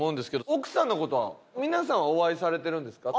奥さんの事は皆さんはお会いされてるんですか？